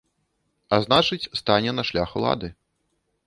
А значыць, стане на шлях улады.